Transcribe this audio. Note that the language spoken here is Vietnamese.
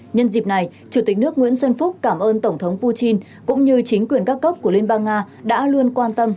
nhân dịp này chủ tịch nước nguyễn xuân phúc cảm ơn tổng thống putin cũng như chính quyền các cấp của liên bang nga đã luôn quan tâm